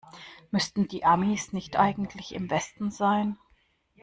Müssten die Amis nicht eigentlich im Westen sein?